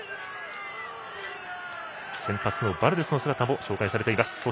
先発のバルデスの姿も紹介されています。